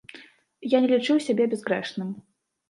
Я не лічыў сябе бязгрэшным.